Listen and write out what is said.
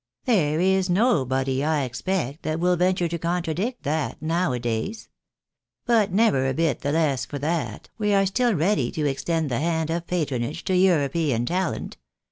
There is nobody, I expect, that will venture to contra dict that, now a days. But never a bit the less for that, we are still ready to extend the hand of patronage to European talent.